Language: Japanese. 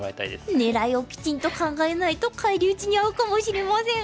でも狙いをきちんと考えないと返り討ちに遭うかもしれません。